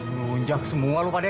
lunjak semua lu pak de